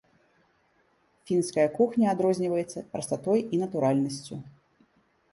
Фінская кухня адрозніваецца прастатой і натуральнасцю.